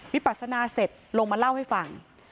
ปัศนาเสร็จลงมาเล่าให้ฟัง